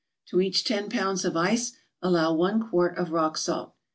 To each ten pounds of ice allow one quart of rock salt.